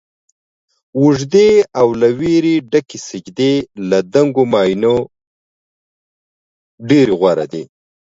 اوږدې او له ويرې ډکې سجدې له دنګو ماڼیو ډيرې غوره دي